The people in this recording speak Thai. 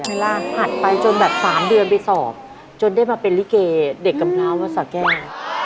เวลาถัดไปจนแบบ๓เดือนไปสอบจนได้มาเป็นลิเกเด็กกำพร้าววัดสาแก้ว